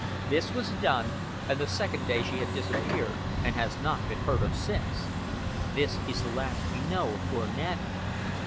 This was done, and the second day she had disappeared and has not been heard of since. This is the last we know of poor Nanny."